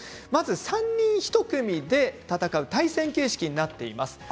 三人一組で戦う対戦形式になっています。